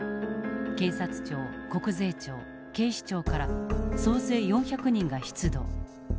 検察庁国税庁警視庁から総勢４００人が出動。